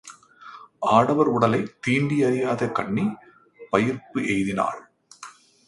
ஆடவர் உடலைத் தீண்டி யறியாத கன்னி பயிர்ப்பு எய்தினாள்.